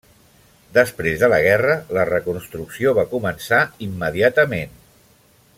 Després de la guerra, la reconstrucció va començar immediatament.